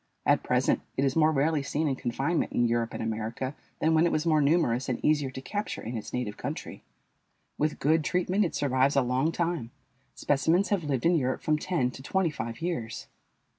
At present it is more rarely seen in confinement in Europe and America than when it was more numerous and easier to capture in its native country. With good treatment it survives a long time; specimens have lived in Europe from ten to twenty five years.